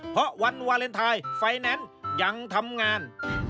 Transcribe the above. เพราะวันวาเลนไทยไฟแนนซ์ยังทำงาน